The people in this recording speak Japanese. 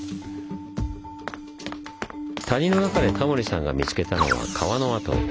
谷の中でタモリさんが見つけたのは川の跡。